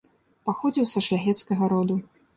Паходзіў са шляхецкага роду.